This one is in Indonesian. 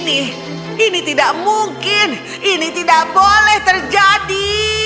ini ini tidak mungkin ini tidak boleh terjadi